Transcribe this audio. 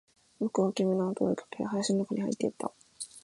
僕は君のあとを追いかけ、林の中に入っていった